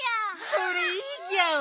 それいいギャオ！